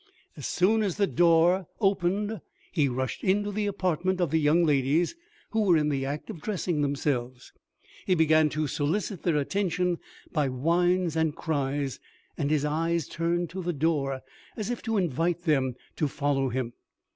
As soon as the door was opened he rushed into the apartment of the young ladies, who were in the act of dressing themselves. He began to solicit their attention by whines and cries, and his eyes turned to the door, as if to invite them to follow him.